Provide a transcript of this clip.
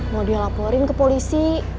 mau dia laporin ke polisi